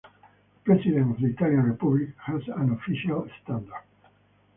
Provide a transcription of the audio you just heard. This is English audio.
The President of the Italian Republic has an official standard.